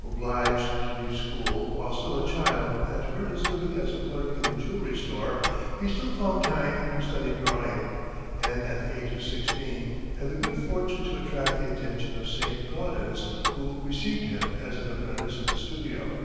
Obliged to leave school while still a child and to earn his living as a clerk in a jewelry store, he still found time to study drawing, and at the age of sixteen had the good fortune to attract the attention of Saint Gaudens, who received him as an apprentice in his studio.